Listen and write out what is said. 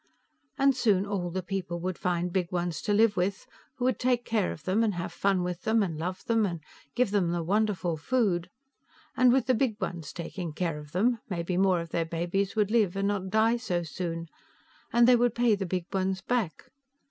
And soon all the people would find Big Ones to live with, who would take care of them and have fun with them and love them, and give them the Wonderful Food. And with the Big Ones taking care of them, maybe more of their babies would live and not die so soon. And they would pay the Big Ones back.